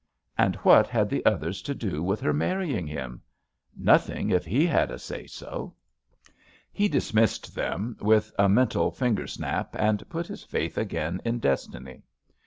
And what had the others to do with her marrying him? Nothing, if he had a say so. He dismissed them with a mental finger snap, and put his faith again in destiny.